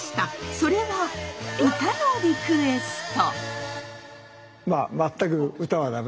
それは歌のリクエスト。